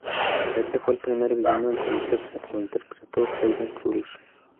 Este fue el primer villano en conocerse, lo interpretó Haden Church.